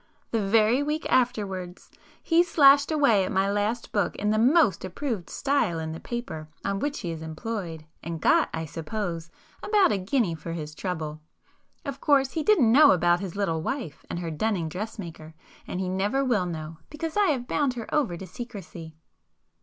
The very week afterwards he slashed away at my last book in the most approved style in the paper on which he is employed, and got, I suppose, about a guinea for his trouble. Of course he didn't know about his little wife and her dunning dressmaker; and he never will know, because I have bound her over to secrecy."